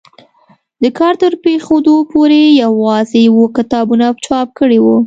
د کار تر پرېښودو پورې یوازې اووه کتابونه چاپ کړي وو.